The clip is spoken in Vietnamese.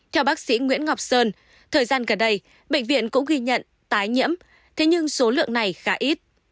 theo bác sĩ nguyễn ngọc sơn thời gian gần đây bệnh viện cũng ghi nhận tái nhiễm thế nhưng số lượng này khá ít